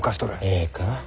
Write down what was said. ええか？